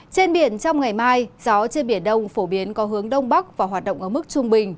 trên biển trong ngày mai gió trên biển đông phổ biến có hướng đông bắc và hoạt động ở mức trung bình